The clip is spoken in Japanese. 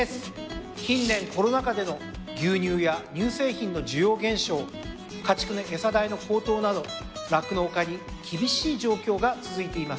近年コロナ過での牛乳や乳製品の需要減少家畜の餌代の高騰など酪農家に厳しい状況が続いています。